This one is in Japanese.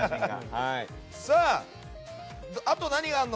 あと、何があるの？